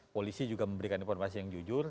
polisi juga memberikan informasi yang jujur